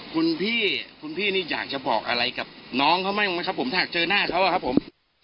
คุณพี่คุณพี่นี่อยากจะบอกอะไรกับน้องเขาบ้างไหมครับผมถ้าหากเจอหน้าเขาอะครับผม